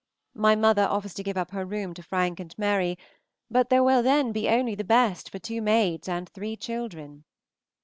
My mother offers to give up her room to Frank and Mary, but there will then be only the best for two maids and three children.